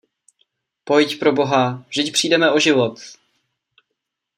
Pojď, pro Boha, vždyť přijdeme o život.